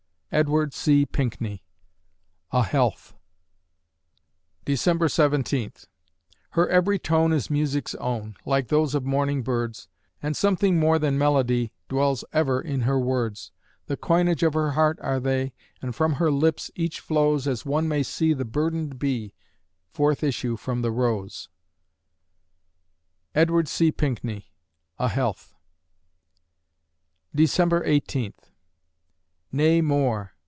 EDWARD C. PINKNEY ("A Health") December Seventeenth Her every tone is music's own, Like those of morning birds, And something more than melody Dwells ever in her words; The coinage of her heart are they, And from her lips each flows As one may see the burdened bee Forth issue from the rose. EDWARD C. PINKNEY ("A Health") December Eighteenth ... Nay, more!